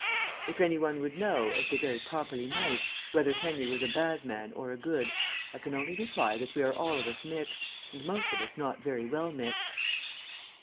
If any one would know, as they very properly might, whether Henry was a bad man or a good, I can only reply that we are all of us mixed, and most of us not very well mixed.